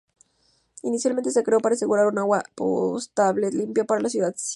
Inicialmente se creó para asegurar agua dulce potable limpia para la ciudad de Srinagar.